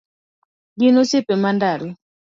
Gin osiepe mandalo